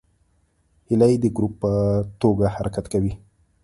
هیلۍ د ګروپ په توګه حرکت کوي